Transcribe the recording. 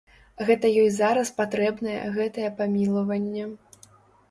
Гэта ёй зараз патрэбнае гэтае памілаванне.